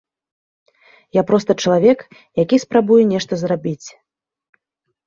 Я проста чалавек, які спрабуе нешта зрабіць.